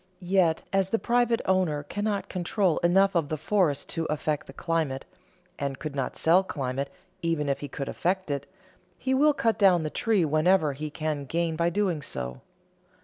Yet, as the private owner cannot control enough of the forest to affect the climate, and could not sell climate even if he could affect it, he will cut down the tree whenever he can gain by doing so.